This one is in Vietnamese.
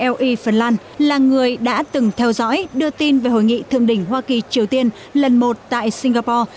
l e phần lan là người đã từng theo dõi đưa tin về hội nghị thượng đỉnh hoa kỳ triều tiên lần một tại singapore